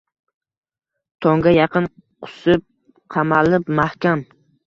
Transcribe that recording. Tongga yaqin qusib, qamalib mahkam